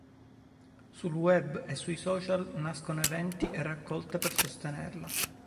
Sul web e sui social nascono eventi e raccolte per sostenerla.